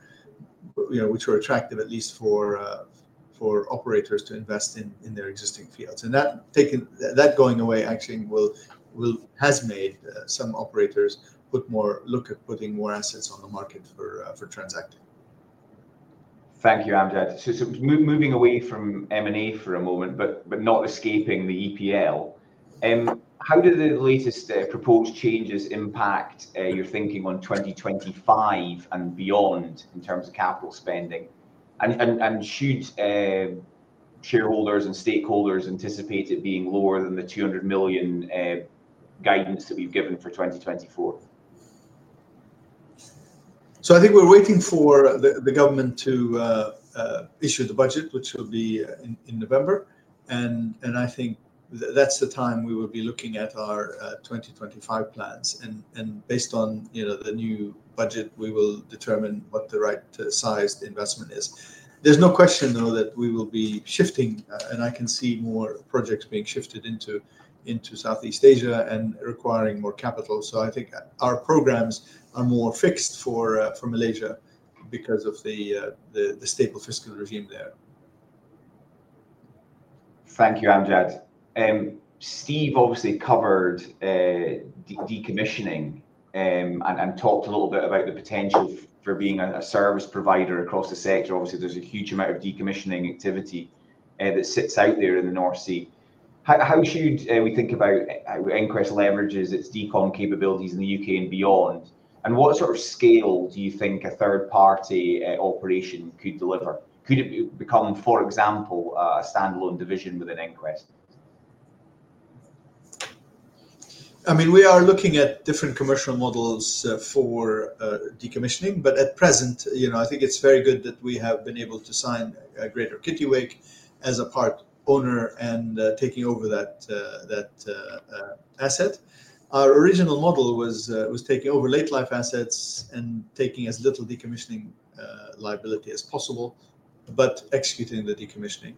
you know, attractive, at least for operators to invest in their existing fields. That going away actually has made some operators look at putting more assets on the market for transacting. Thank you, Amjad. So, moving away from M&A for a moment, but not escaping the EPL, how do the latest proposed changes impact your thinking on twenty twenty-five and beyond in terms of capital spending? And should shareholders and stakeholders anticipate it being lower than the 200 million guidance that we've given for twenty twenty-four? I think we're waiting for the government to issue the budget, which will be in November, and I think that's the time we will be looking at our 2025 plans. Based on, you know, the new budget, we will determine what the right size the investment is. There's no question, though, that we will be shifting, and I can see more projects being shifted into Southeast Asia and requiring more capital. I think our programs are more fixed for Malaysia because of the stable fiscal regime there. Thank you, Amjad. Steve obviously covered decommissioning, and talked a little bit about the potential for being a service provider across the sector. Obviously, there's a huge amount of decommissioning activity that sits out there in the North Sea. How should we think about EnQuest leverages its decon capabilities in the UK and beyond? And what sort of scale do you think a third-party operation could deliver? Could it become, for example, a standalone division within EnQuest? I mean, we are looking at different commercial models for decommissioning, but at present, you know, I think it's very good that we have been able to sign Greater Kittiwake as a part owner and taking over that asset. Our original model was taking over late life assets and taking as little decommissioning liability as possible, but executing the decommissioning,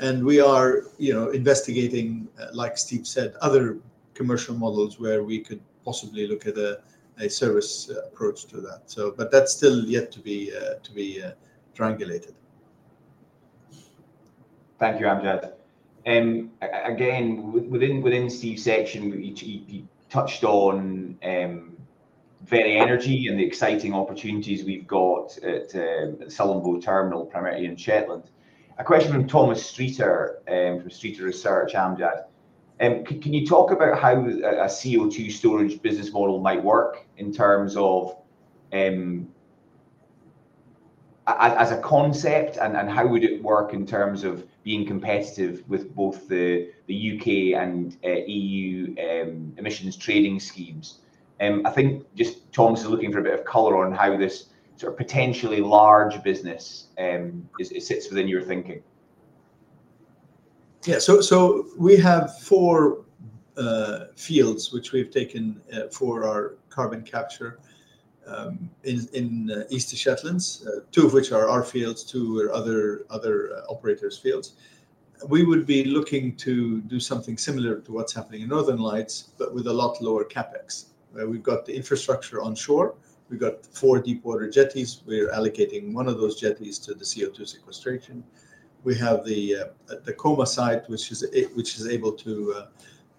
and we are, you know, investigating, like Steve said, other commercial models where we could possibly look at a service approach to that. So, but that's still yet to be triangulated. Thank you, Amjad. Again, within Steve's section, he touched on Veri Energy and the exciting opportunities we've got at Sullom Voe Terminal, primarily in Shetland. A question from Thomas Streeter from Streeter Research, Amjad. Can you talk about how a CO2 storage business model might work in terms of as a concept, and how would it work in terms of being competitive with both the U.K. and E.U. emissions trading schemes? I think just Thomas is looking for a bit of color on how this sort of potentially large business is, it sits within your thinking. Yeah. So we have four fields which we've taken for our carbon capture in East Shetland, two of which are our fields, two are other operators' fields. We would be looking to do something similar to what's happening in Northern Lights, but with a lot lower CapEx. We've got the infrastructure onshore, we've got four deepwater jetties. We're allocating one of those jetties to the CO2 sequestration. We have the compressor site, which is able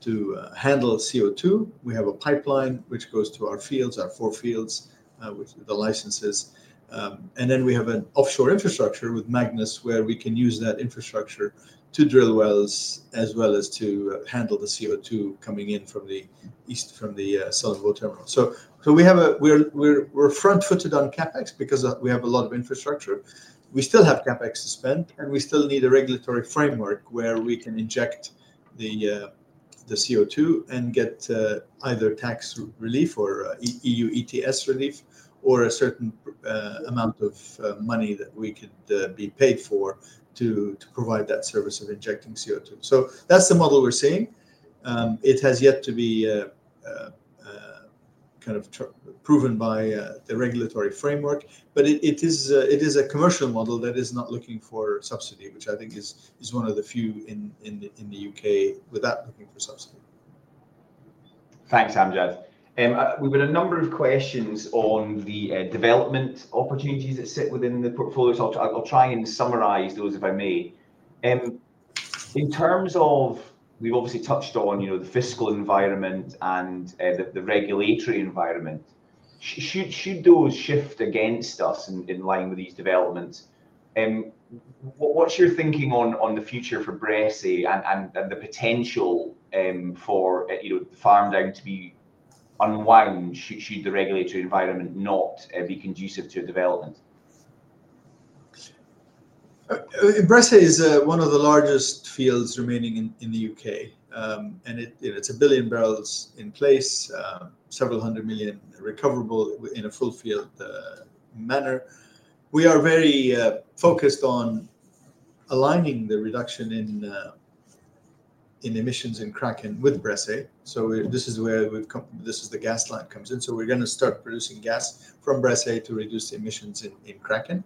to handle CO2. We have a pipeline which goes to our fields, our four fields, with the licenses. And then we have an offshore infrastructure with Magnus, where we can use that infrastructure to drill wells, as well as to handle the CO2 coming in from the east, from the Sullom Voe Terminal. So we have a... We're front-footed on CapEx because we have a lot of infrastructure. We still have CapEx to spend, and we still need a regulatory framework where we can inject the CO2 and get either tax relief or EU ETS relief, or a certain amount of money that we could be paid for to provide that service of injecting CO2. So that's the model we're seeing. It has yet to be proven by the regulatory framework, but it is a commercial model that is not looking for subsidy, which I think is one of the few in the UK without looking for subsidy. Thanks, Amjad. We've got a number of questions on the development opportunities that sit within the portfolio. So I'll try and summarize those, if I may. In terms of... We've obviously touched on, you know, the fiscal environment and the regulatory environment. Should those shift against us in line with these developments, what's your thinking on the future for Bressay and the potential for, you know, the farm down to be unwound should the regulatory environment not be conducive to development? Bressay is one of the largest fields remaining in the U.K. It, you know, is a billion barrels in place, several hundred million recoverable in a full field manner. We are very focused on aligning the reduction in emissions in Kraken with Bressay. So this is where we've come. This is the gas line comes in, so we're gonna start producing gas from Bressay to reduce emissions in Kraken,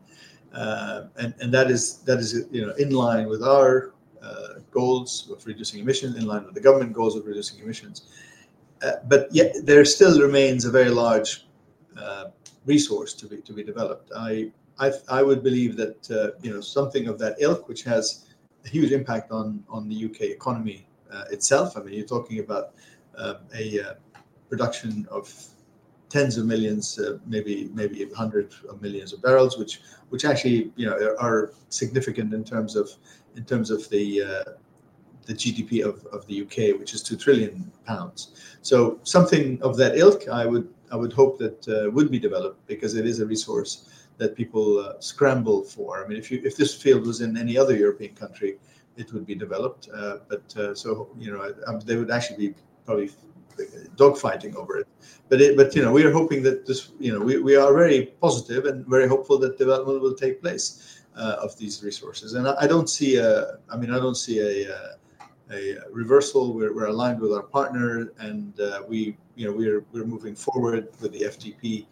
and that is, you know, in line with our goals of reducing emissions, in line with the government goals of reducing emissions, but yet there still remains a very large resource to be developed. I would believe that, you know, something of that ilk, which has a huge impact on the U.K. economy itself. I mean, you're talking about production of tens of millions, maybe, maybe hundreds of millions of barrels, which actually, you know, are significant in terms of, in terms of the GDP of the U.K., which is £2 trillion. So something of that ilk, I would, I would hope that would be developed because it is a resource that people scramble for. I mean, if you, if this field was in any other European country, it would be developed. But, so, you know, they would actually be probably dogfighting over it. But, you know, we are hoping that this... You know, we, we are very positive and very hopeful that development will take place of these resources. And I, I don't see a, I mean, I don't see a reversal. We're aligned with our partner, and we, you know, we're moving forward with the FTP,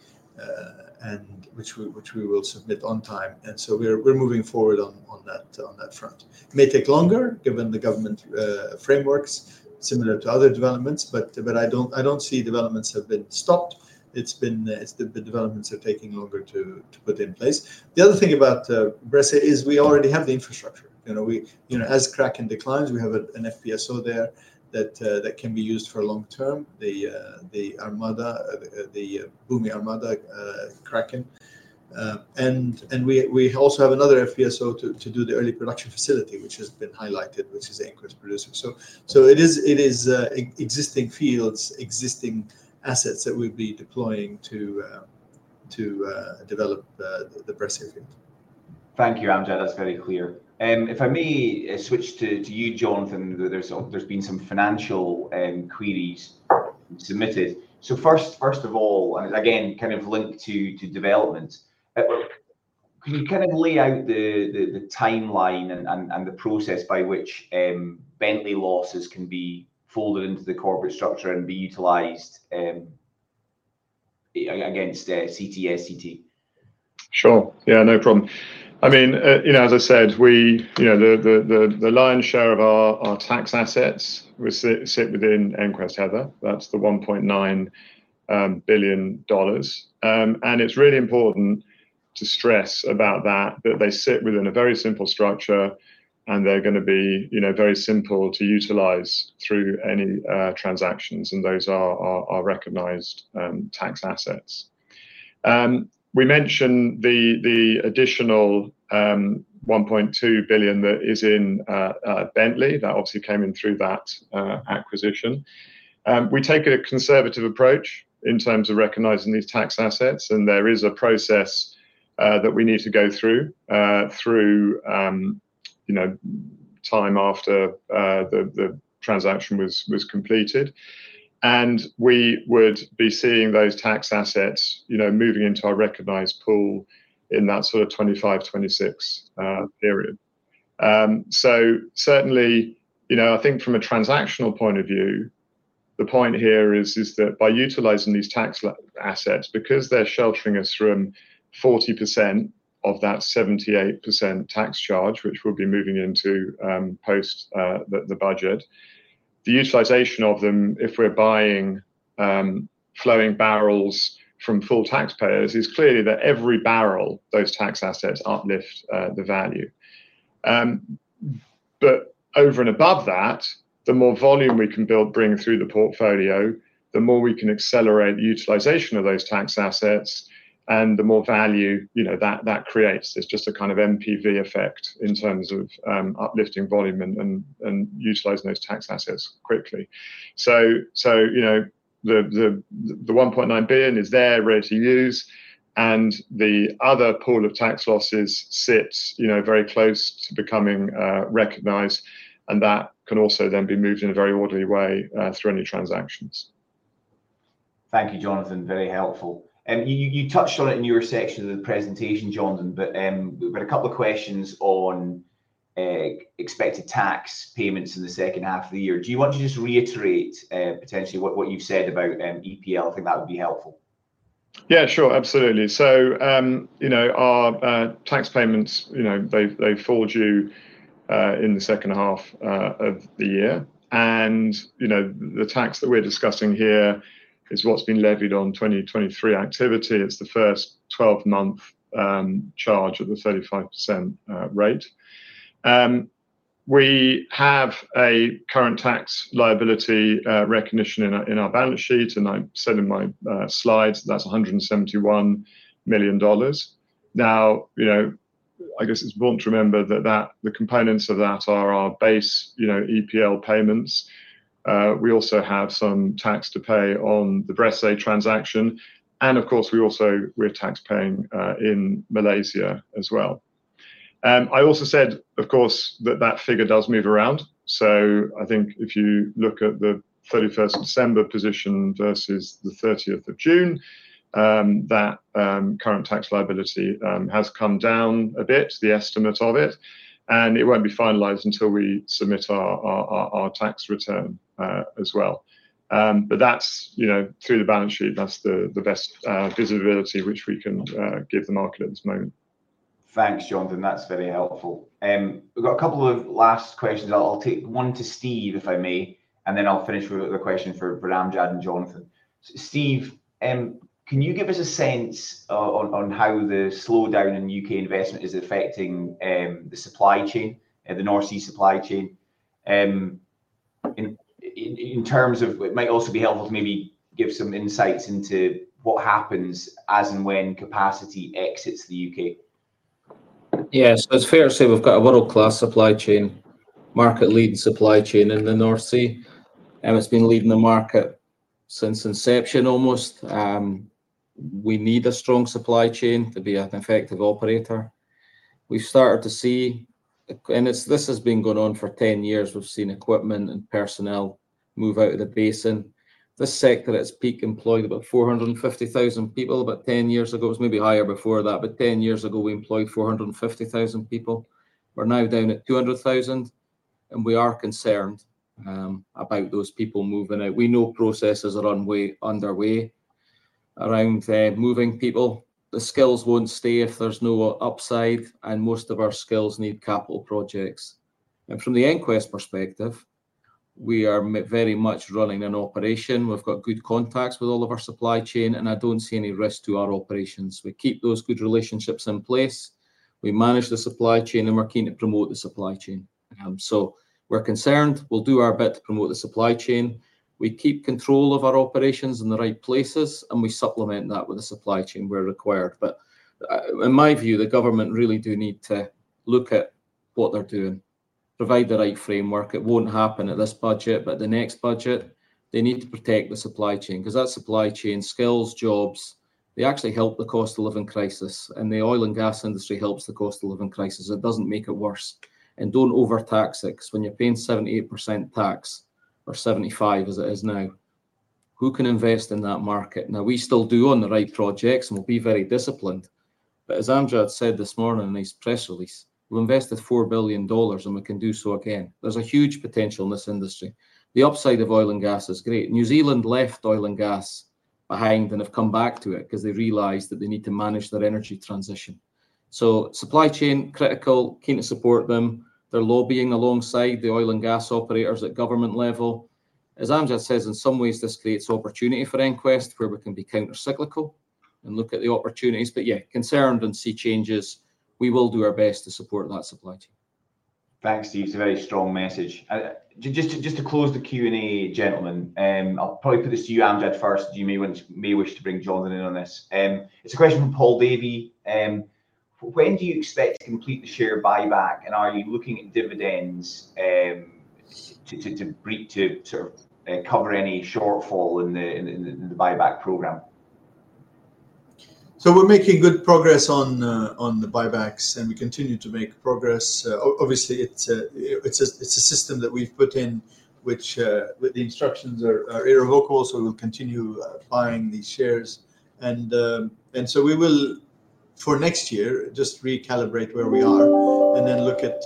and which we will submit on time. And so we're moving forward on that front. It may take longer given the government frameworks similar to other developments, but I don't see developments have been stopped. It's been the developments are taking longer to put in place. The other thing about Bressay is we already have the infrastructure. You know, as Kraken declines, we have an FPSO there that can be used for long term. The Armada, the Bumi Armada Kraken. And we also have another FPSO to do the early production facility, which has been highlighted, which is EnQuest Producer. So it is existing fields, existing assets that we'll be deploying to develop the Bressay field. Thank you, Amjad. That's very clear. If I may, switch to you, Jonathan. There's been some financial queries submitted. So first of all, and again, kind of linked to development, can you kind of lay out the timeline and the process by which Bentley losses can be folded into the corporate structure and be utilized against CTSCT? Sure. Yeah, no problem. I mean, you know, as I said, we, you know, the lion's share of our tax assets sit within EnQuest Heather. That's the $1.9 billion. And it's really important to stress about that. That they sit within a very simple structure, and they're gonna be, you know, very simple to utilize through any transactions, and those are recognized tax assets. We mentioned the additional $1.2 billion that is in Bentley. That obviously came in through that acquisition. We take a conservative approach in terms of recognizing these tax assets, and there is a process that we need to go through through you know time after the transaction was completed. We would be seeing those tax assets, you know, moving into a recognized pool in that sort of 2025, 2026 period. So certainly, you know, I think from a transactional point of view, the point here is that by utilizing these tax assets, because they're sheltering us from 40% of that 78% tax charge, which we'll be moving into post the budget. The utilization of them, if we're buying flowing barrels from full taxpayers, is clearly that every barrel, those tax assets uplift the value. But over and above that, the more volume we can bring through the portfolio, the more we can accelerate the utilization of those tax assets and the more value, you know, that creates. It's just a kind of MPV effect in terms of uplifting volume and utilizing those tax assets quickly. So, you know, the £1.9 billion is there ready to use, and the other pool of tax losses sits, you know, very close to becoming recognized, and that can also then be moved in a very orderly way through any transactions. Thank you, Jonathan. Very helpful. You touched on it in your section of the presentation, Jonathan, but we've got a couple of questions on expected tax payments in the second half of the year. Do you want to just reiterate potentially what you've said about EPL? I think that would be helpful. Yeah, sure. Absolutely. So you know, our tax payments, you know, they fall due in the second half of the year. And you know, the tax that we're discussing here is what's been levied on 2023 activity. It's the first twelve-month charge at the 35% rate.... We have a current tax liability recognition in our balance sheet, and I said in my slides, that's $171 million. Now, you know, I guess it's important to remember that the components of that are our base, you know, EPL payments. We also have some tax to pay on the Bressay transaction, and of course, we're tax paying in Malaysia as well. I also said, of course, that that figure does move around, so I think if you look at the thirty-first December position versus the thirtieth of June, that current tax liability has come down a bit, the estimate of it, and it won't be finalized until we submit our tax return as well. But that's, you know, through the balance sheet, that's the best visibility which we can give the market at this moment. Thanks, Jonathan. That's very helpful. We've got a couple of last questions. I'll take one to Steve, if I may, and then I'll finish with a question for Amjad and Jonathan. Steve, can you give us a sense on how the slowdown in UK investment is affecting the supply chain and the North Sea supply chain in terms of... It might also be helpful to maybe give some insights into what happens as and when capacity exits the UK. Yes, it's fair to say we've got a world-class supply chain, market-leading supply chain in the North Sea, and it's been leading the market since inception almost. We need a strong supply chain to be an effective operator. We've started to see, and this has been going on for ten years, we've seen equipment and personnel move out of the basin. This sector at its peak employed about four hundred and fifty thousand people, about ten years ago. It was maybe higher before that, but ten years ago, we employed four hundred and fifty thousand people. We're now down at two hundred thousand, and we are concerned about those people moving out. We know processes are underway around moving people. The skills won't stay if there's no upside, and most of our skills need capital projects. And from the EnQuest perspective, we are very much running an operation. We've got good contacts with all of our supply chain, and I don't see any risk to our operations. We keep those good relationships in place. We manage the supply chain, and we're keen to promote the supply chain. So we're concerned. We'll do our bit to promote the supply chain. We keep control of our operations in the right places, and we supplement that with the supply chain where required. But, in my view, the government really do need to look at what they're doing. Provide the right framework. It won't happen at this budget, but the next budget, they need to protect the supply chain, 'cause that supply chain, skills, jobs, they actually help the cost of living crisis, and the oil and gas industry helps the cost of living crisis. It doesn't make it worse. And don't over tax it, 'cause when you're paying 78% tax or 75%, as it is now, who can invest in that market? Now, we still do on the right projects, and we'll be very disciplined. But as Amjad said this morning in his press release, we invested $4 billion, and we can do so again. There's a huge potential in this industry. The upside of oil and gas is great. New Zealand left oil and gas behind and have come back to it 'cause they realized that they need to manage their energy transition. So supply chain, critical, keen to support them. They're lobbying alongside the oil and gas operators at government level. As Amjad says, in some ways, this creates opportunity for EnQuest, where we can be countercyclical and look at the opportunities. But yeah, concerned and see changes. We will do our best to support that supply chain. Thanks, Steve. It's a very strong message. Just to close the Q&A, gentlemen, I'll probably put this to you, Amjad, first. You may wish to bring Jonathan in on this. It's a question from Paul Davey. When do you expect to complete the share buyback, and are you looking at dividends to cover any shortfall in the buyback program? So we're making good progress on the buybacks, and we continue to make progress. Obviously, it's a system that we've put in which the instructions are irrevocable, so we'll continue buying these shares. And so we will, for next year, just recalibrate where we are, and then look at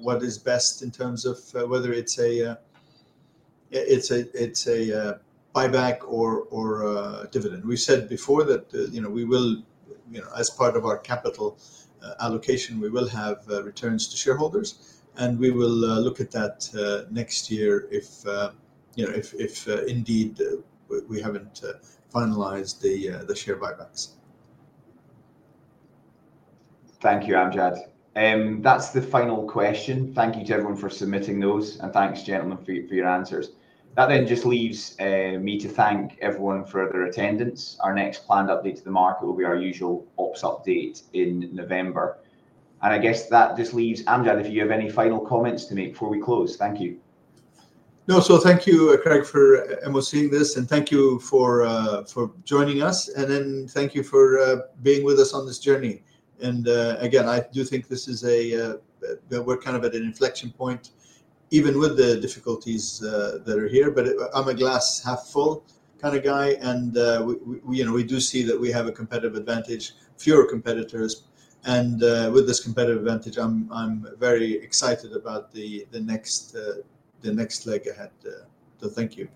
what is best in terms of whether it's a buyback or dividend. We said before that, you know, we will, you know, as part of our capital allocation, we will have returns to shareholders, and we will look at that next year if, you know, if indeed we haven't finalized the share buybacks. Thank you, Amjad. That's the final question. Thank you to everyone for submitting those, and thanks, gentlemen, for your answers. That then just leaves me to thank everyone for their attendance. Our next planned update to the market will be our usual ops update in November. And I guess that just leaves Amjad, if you have any final comments to make before we close. Thank you. No, so thank you, Craig, for emceeing this, and thank you for joining us, and then thank you for being with us on this journey. And, again, I do think this is, we're kind of at an inflection point, even with the difficulties that are here, but I'm a glass half full kind of guy, and, we, you know, we do see that we have a competitive advantage, fewer competitors, and, with this competitive advantage, I'm very excited about the next leg ahead. So thank you.